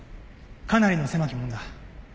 かなりの狭き門だ。